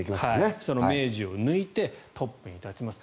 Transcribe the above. その明治を抜いてトップで行きました。